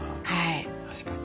確かに。